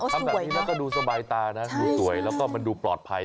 ทำแบบนี้แล้วก็ดูสบายตานะดูสวยแล้วก็มันดูปลอดภัย